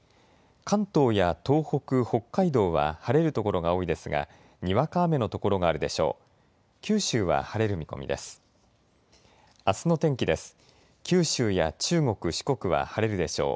関東や東北、北海道は晴れる所が多いですが、にわか雨の所があるでしょう。